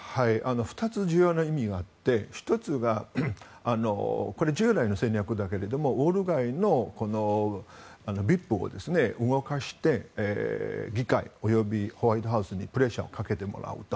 ２つの重要な意味があって１つが、これは従来の戦略だけどもウォール街のＶＩＰを動かして理解、及びホワイトハウスにプレッシャーをかけてもらうと。